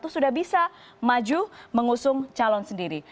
sudah bisa maju mengusung calon sendiri